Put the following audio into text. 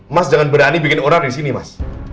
mas jangan berani bikin orang di sini mas